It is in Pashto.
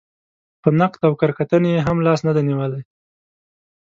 په نقد او کره کتنې یې هم لاس نه دی نېولی.